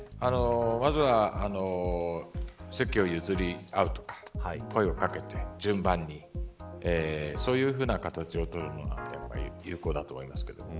まずは席を譲り合うとか声をかけて順番にそういうふうな形をとるのがやはり有効だと思いますけど。